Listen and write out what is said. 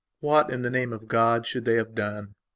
What, in the name of God, should they have done?